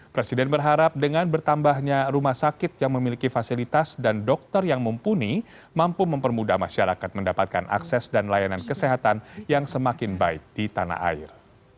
presiden berharap dengan bertambahnya rumah sakit yang memiliki fasilitas dan dokter yang mumpuni mampu mempermudah masyarakat mendapatkan akses dan layanan kesehatan yang semakin baik di tanah air